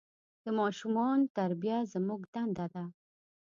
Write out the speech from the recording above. د ماشومان تربیه زموږ دنده ده.